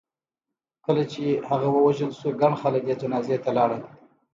کله چې هغه ووژل شو ګڼ خلک یې جنازې ته لاړل.